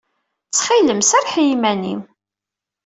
Ttxil-m, serreḥ i yiman-im.